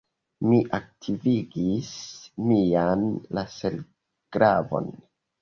Mi aktivigis mian laserglavon.